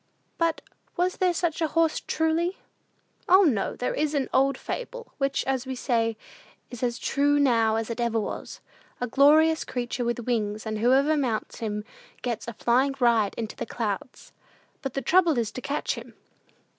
But was there such a horse, truly?" "O, no; there is an old fable, which, as we say, is 'as true now as it ever was,' of a glorious creature with wings, and whoever mounts him gets a flying ride into the clouds. But the trouble is to catch him!"